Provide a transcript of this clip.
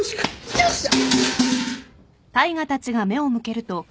よっしゃ！